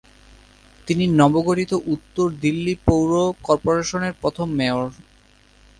তিনি নবগঠিত উত্তর দিল্লি পৌর কর্পোরেশনের প্রথম মেয়র।